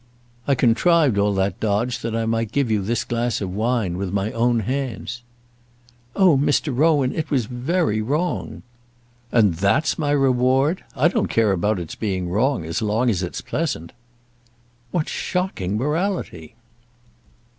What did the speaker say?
I contrived all that dodge that I might give you this glass of wine with my own hands." "Oh, Mr. Rowan, it was very wrong!" "And that's my reward! I don't care about its being wrong as long as it's pleasant." "What shocking morality!"